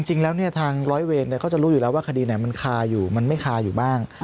จริงแล้วเนี่ยทางร้อยเวรเขาจะรู้อยู่แล้วว่าคดีไหนมันคาอยู่มันไม่คาอยู่บ้าง